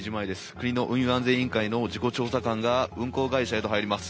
国の運輸安全委員会の事故調査官が運航会社へと入ります。